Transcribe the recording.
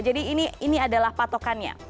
jadi ini adalah patokannya